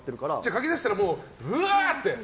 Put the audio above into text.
書き出したら、うわーって？